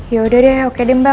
yaudah deh oke deh mbak